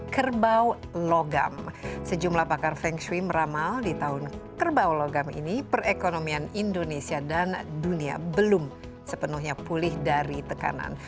kerbau logam ini perekonomian indonesia dan dunia belum sepenuhnya pulih dari tekanan